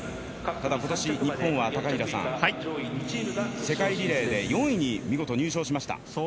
今年日本は世界リレーで４位に見事入賞しました。